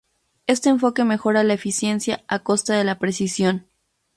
Este enfoque mejora la eficiencia a costa de la precisión.